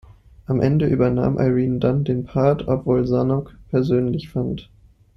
Am Ende übernahm Irene Dunne den Part, obwohl Zanuck persönlich fand.